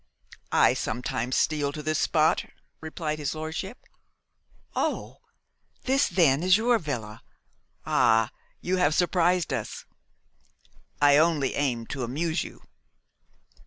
'I sometimes steal to this spot,' replied his lordship. 'Oh! this, then, is your villa? Ah! you have surprised us!' 'I only aimed to amuse you.